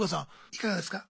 いかがですか？